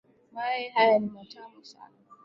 Mayai haya ni matamu sana.